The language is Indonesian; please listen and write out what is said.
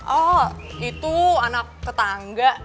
oh itu anak ketangga